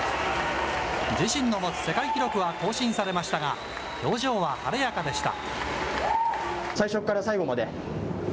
自身の持つ世界記録は更新されましたが、表情は晴れやかでした。